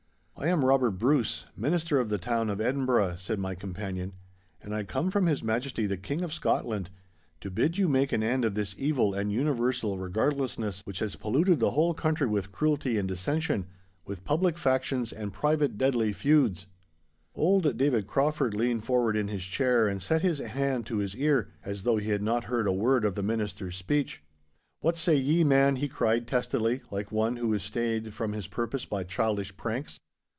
'I am Robert Bruce, Minister of the Town of Edinburgh,' said my companion, 'and I come from His Majesty the King of Scotland, to bid you make an end of this evil and universal regardlessness, which has polluted the whole country with cruelty and dissension, with public factions and private deadly feuds—' Old David Crauford leaned forward in his chair and set his hand to his ear, as though he had not heard a word of the Minister's speech. 'What say ye, man?' he cried, testily, like one who is stayed from his purpose by childish pranks.